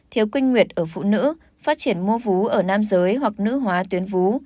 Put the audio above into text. thiếu quinh nguyệt ở phụ nữ phát triển mô vú ở nam giới hoặc nữ hóa tuyến vú